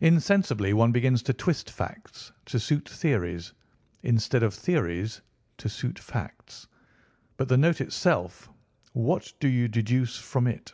Insensibly one begins to twist facts to suit theories, instead of theories to suit facts. But the note itself. What do you deduce from it?"